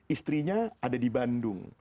istrinya ada di bandung